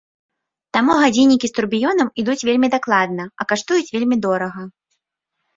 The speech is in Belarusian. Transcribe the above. Таму гадзіннікі з турбіёнам ідуць вельмі дакладна, а каштуюць вельмі дорага.